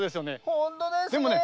ほんとですね。